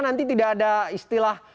nanti tidak ada istilah